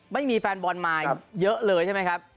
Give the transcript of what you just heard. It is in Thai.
ไม่มีแฟนบอลมาเยอะเลยใช่ไหมครับ